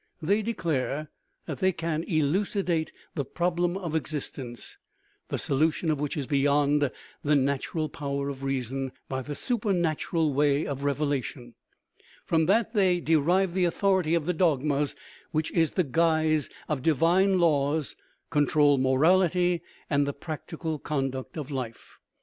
They declare that they can elucidate the problem of existence, the solution of which is beyond the natural power of reason, by the supernatural way of revelation ; from that they derive the authority of the dogmas which in the guise of " divine laws " control morality and the practical conduct of life.